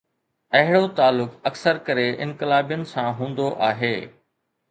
اهڙو تعلق اڪثر ڪري انقلابين سان هوندو آهي.